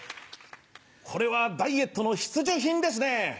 これはダイエットの必需品ですねぇ！